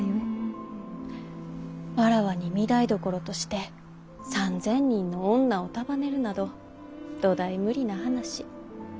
妾に御台所として３，０００人の女を束ねるなど土台無理な話。